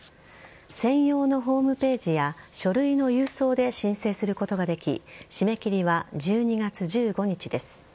専用のホームページや書類の郵送で申請することができ締め切りは１２月１５日です。